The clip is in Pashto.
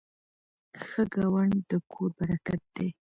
ښه ګاونډ د کور برکت دی.